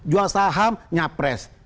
jual saham nyapres